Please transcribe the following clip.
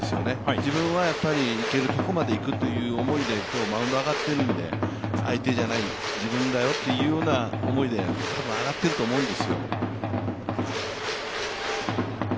自分はいけるところまでいくという思いで今日、マウンドに上がっているので相手じゃない、自分だよというような思いで上がってると思うんですよ。